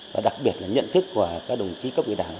và đặc biệt là nhận thức của các đồng chí cấp ủy đảng